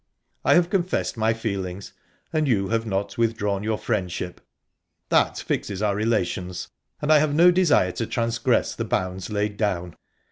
"I have confessed my feelings, and you have not withdrawn your friendship. That fixes our relations, and I have no desire to transgress the bounds laid down."